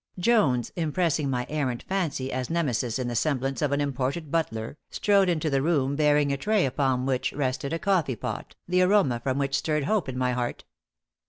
Jones, impressing my errant fancy as Nemesis in the semblance of an imported butler, strode into the room bearing a tray upon which rested a coffee pot, the aroma from which stirred hope in my heart.